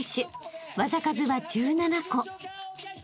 ［技数は１７個］